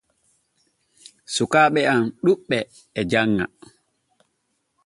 Sukkaaɓe am ɗuɓɓe e janŋa.